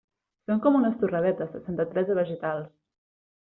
Són com unes torradetes de Santa Teresa vegetals.